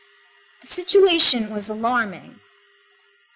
The situation was alarming.